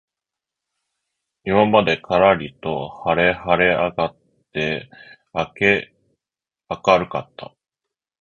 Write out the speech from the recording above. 今までからりと晴はれ上あがって明あかるかった